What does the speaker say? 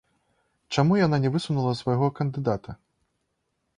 Чаму яна не высунула свайго кандыдата?